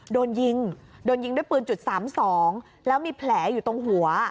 โดนยิงโดนยิงด้วยปืนจุด๓๒แล้วมีแผลอยู่ตรงหัว